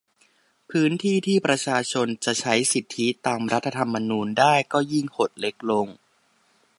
พื้นที่ที่ประชาชนจะใช้สิทธิตามรัฐธรรมนูญได้ก็ยิ่งหดเล็กลง